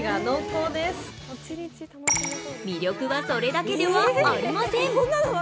魅力はそれだけではありません。